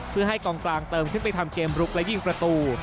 เพื่อให้กองกลางเติมขึ้นไปทำเกมลุกและยิงประตู